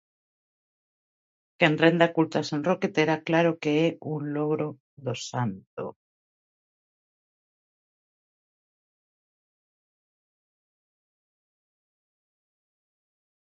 Quen renda culto a San Roque terá claro que é un logro do santo.